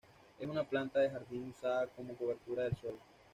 Es una planta de jardín usada como cobertura del suelo.